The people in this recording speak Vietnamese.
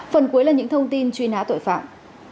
phần cuối là những thông tin truy nã tội phạm